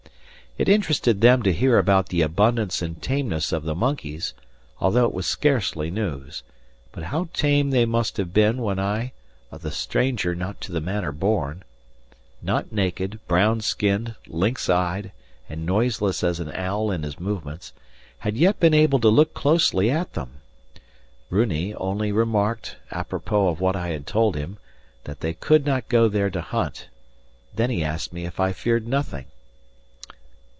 It interested them to hear about the abundance and tameness of the monkeys, although it was scarcely news; but how tame they must have been when I, the stranger not to the manner born not naked, brown skinned, lynx eyed, and noiseless as an owl in his movements had yet been able to look closely at them! Runi only remarked, apropos of what I had told him, that they could not go there to hunt; then he asked me if I feared nothing.